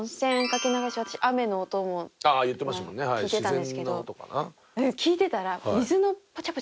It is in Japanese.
私雨の音も聞いてたんですけど聞いてたら。